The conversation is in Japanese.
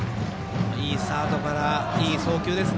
いいスタートからいい送球です。